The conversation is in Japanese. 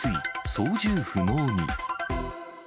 操縦不能に。